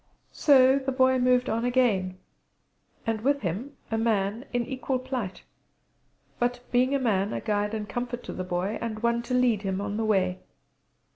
So the Boy moved on again, and with him a man in equal plight, but, being a man, a guide and comfort to the Boy, and one to lead him on the way.